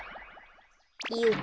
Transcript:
よっ。